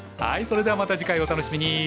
はいそれではまた次回お楽しみに。